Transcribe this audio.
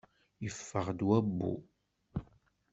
Yeffeɣ-d wabbu.